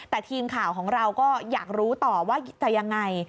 แต่ทีมข่าวของเราก็อยากรู้ต่อว่าจะยังไง